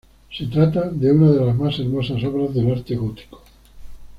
Se trata de una de las más hermosas obras del arte gótico.